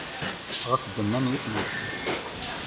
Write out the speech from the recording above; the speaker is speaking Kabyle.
Ɣef ddemma n yisem-is.